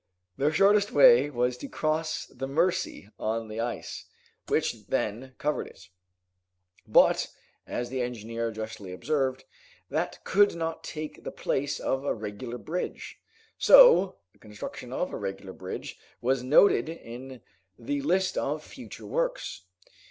Their shortest way was to cross the Mercy on the ice, which then covered it. "But," as the engineer justly observed, "that could not take the place of a regular bridge!" So, the construction of a regular bridge was noted in the list of future works.